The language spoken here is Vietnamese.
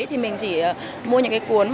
thì mình chỉ mua những cái cuốn